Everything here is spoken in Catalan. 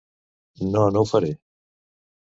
No, no ho faré.